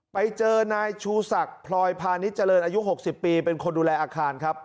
ไปเจอนายชูศักดิ์พลอยพาณิชยเจริญอายุ๖๐ปีเป็นคนดูแลอาคารครับ